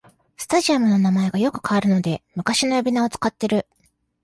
スタジアムの名前がよく変わるので昔の呼び名を使ってる